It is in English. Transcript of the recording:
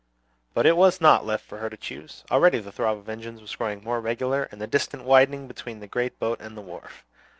But it was not left for her to choose. Already the throb of the engines was growing more regular and the distance widening between the great boat and the wharf.